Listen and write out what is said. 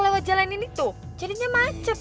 dan ini jalanan macet